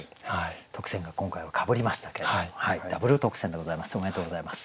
特選が今回はかぶりましたけれどもダブル特選でございます。